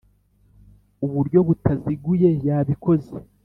uburyo butaziguye yabikoze